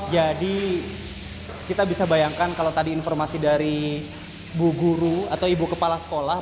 jadi kita bisa bayangkan kalau tadi informasi dari bu guru atau ibu kepala sekolah